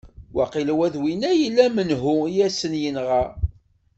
Waqila ula d winna yella menhu i asen-yenɣa!